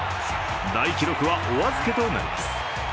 大記録はお預けとなります。